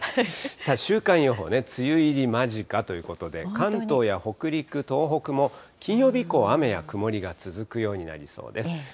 週間予報、梅雨入り間近ということで、関東や北陸、東北も金曜日以降、雨や曇りが続くようになりそうです。